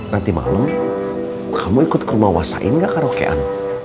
nanti malem kamu ikut ke rumah wasain gak karaokean